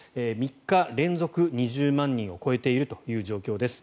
３日連続、２０万人を超えているという状況です。